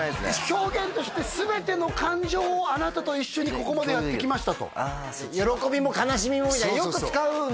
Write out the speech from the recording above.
表現として全ての感情をあなたと一緒にここまでやってきましたと「喜びも悲しみも」みたいによく使うんですよ